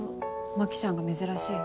牧ちゃんが珍しい。